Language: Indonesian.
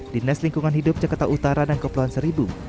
dinas lingkungan hidup jakarta utara dan kepulauan seribu